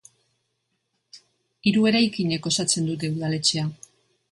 Hiru eraikinek osatzen dute udaletxea.